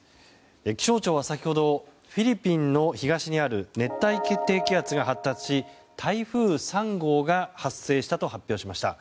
気象庁は先ほどフィリピンの東にある熱帯低気圧が発達し台風３号が発生したと発表しました。